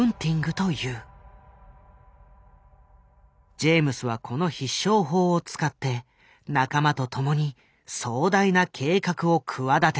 ジェームスはこの必勝法を使って仲間と共に壮大な計画を企てた。